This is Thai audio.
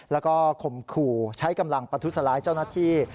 แล้วก็ข่มขู่ใช้กำลังประทุษร้ายเจ้าหน้าที่